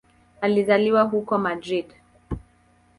Alizaliwa huko Madrid.